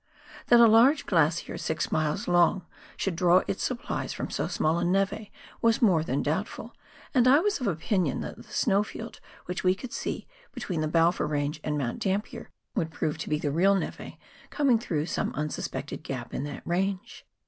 That a large glacier six miles long should draw its supplies from so small a neve was more than doubtful, and I was of opinion that the snow field which we could see between the Balfour Range and Mount Dampier would prove to be the real neve o COOK EIVER — BALFOUR GLACIER. 89 coming througli some unsuspected gap in tliat range.